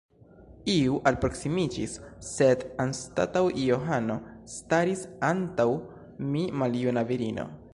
Iu alproksimiĝis, sed anstataŭ Johano staris antaŭ mi maljuna virino.